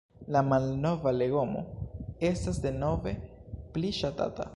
La „malnova legomo“ estas denove pli ŝatata.